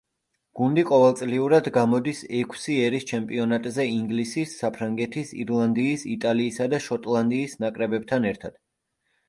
გუნდი ყოველწლიურად გამოდის ექვსი ერის ჩემპიონატზე ინგლისის, საფრანგეთის, ირლანდიის, იტალიისა და შოტლანდიის ნაკრებებთან ერთად.